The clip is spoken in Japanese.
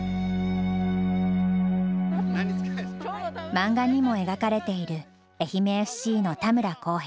マンガにも描かれている愛媛ＦＣの田村光平さん。